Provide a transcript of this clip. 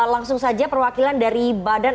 langsung saja perwakilan dari badan